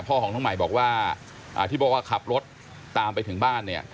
พ่อของน้องใหม่บอกว่าที่บอกว่าขับรถตามไปถึงบ้านเนี่ย